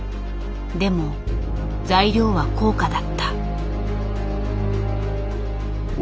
でも材料は高価だった。